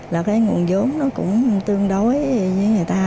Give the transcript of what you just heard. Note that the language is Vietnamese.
là cái nguồn vốn nó cũng tương đối với người ta